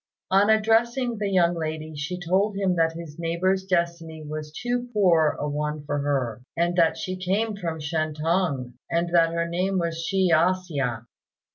On addressing the young lady, she told him that his neighbour's destiny was too poor a one for her, and that she came from Shantung, and that her name was Ch'i A hsia.